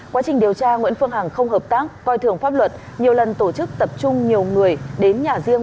quá trình điều tra nguyễn phương hằng không hợp tác coi thường pháp luật nhiều lần tổ chức tập trung nhiều người đến nhà riêng